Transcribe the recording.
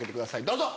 どうぞ！